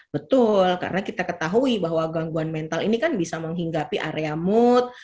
betul karena kita ketahui bahwa gangguan mental ini kan bisa menghinggapi area mood